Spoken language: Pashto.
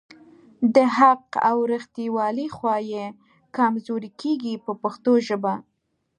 د حق او ریښتیولۍ خوا یې کمزورې کیږي په پښتو ژبه.